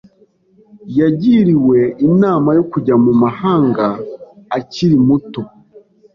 Yagiriwe inama yo kujya mu mahanga akiri muto.